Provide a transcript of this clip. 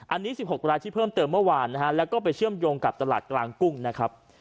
อันนี้๑๖รายที่เพิ่มเติมเมื่อวานนะฮะแล้วก็ไปเชื่อมโยงกับตลาดกลางกุ้งนะครับ